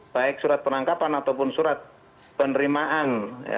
baik surat penangkapan ataupun surat penerimaan